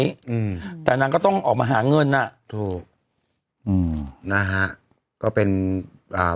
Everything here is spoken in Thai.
อืมแต่นางก็ต้องออกมาหาเงินอ่ะถูกอืมนะฮะก็เป็นอ่า